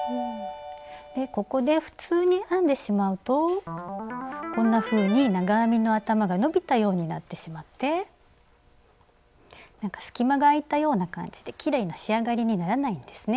ここで普通に編んでしまうとこんなふうに長編みの頭が伸びたようになってしまって隙間があいたような感じできれいな仕上がりにならないんですね。